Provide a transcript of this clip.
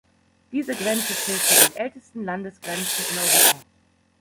Diese Grenze zählt zu den ältesten Landesgrenzen in Europa.